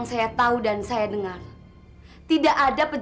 saya tahu dokter